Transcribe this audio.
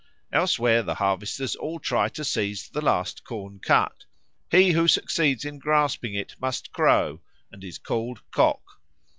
Elsewhere the harvesters all try to seize the last corn cut; he who succeeds in grasping it must crow, and is called Cock.